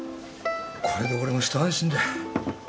これで俺も一安心だ。